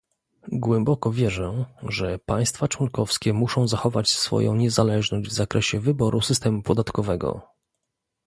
Głęboko wierzę, że państwa członkowskie muszą zachować swoją niezależność w zakresie wyboru sytemu podatkowego